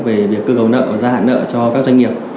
về việc cơ cấu nợ và gia hạn nợ cho các doanh nghiệp